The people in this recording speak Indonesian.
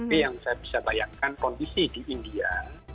tapi yang saya bisa bayangkan kondisi di india